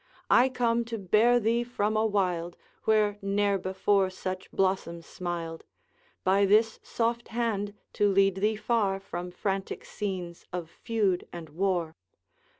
I come to bear thee from a wild Where ne'er before such blossom smiled, By this soft hand to lead thee far From frantic scenes of feud and war.